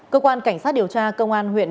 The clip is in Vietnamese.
cơ quan cảnh sát điều tra công an huyện